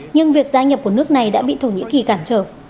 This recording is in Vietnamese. nhưng việc gia nhập của nước này đã bị thổ nhĩ kỳ cản trở